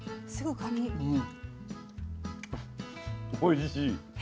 おいしい。